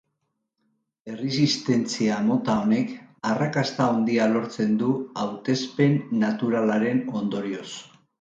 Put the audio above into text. Erresistentzia mota honek arrakasta handia lortzen du hautespen naturalaren ondorioz.